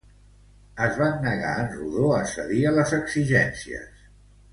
Es van negar en redó a cedir a les exigències.